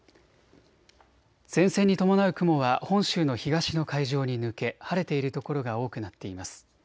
前線に伴う雲は本州の東の海上に抜け晴れている所が多くなっています。